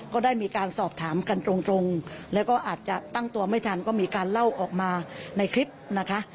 ก็ได้มีการสอบถามกันตรงแล้วก็อาจจะตั้งตัวไม่ทันก็มีการเล่าออกมาในคลิปนะคะ